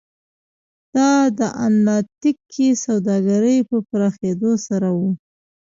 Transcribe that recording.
دا د اتلانتیک کې سوداګرۍ په پراخېدو سره و.